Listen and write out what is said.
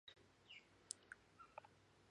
زه به د خپل ښوونکي نېکي هېره نه کړم.